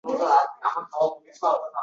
pistonchi bilan nega hiringlashding…